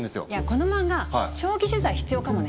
この漫画長期取材必要かもね。